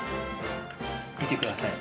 見てください。